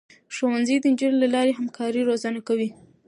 ښوونځی د نجونو له لارې همکاري روزنه کوي.